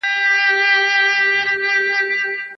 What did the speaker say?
هره ورځ د سبا لپاره د نوي لغتونو يادونه کوم.